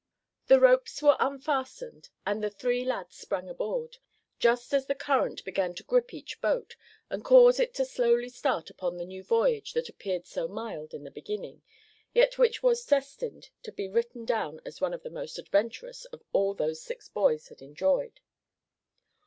The ropes were unfastened, and the three lads sprang aboard, just as the current began to grip each boat, and cause it to slowly start upon the new voyage that appeared so mild in the beginning, yet which was destined to be written down as one of the most adventurous of all those the six boys had enjoyed.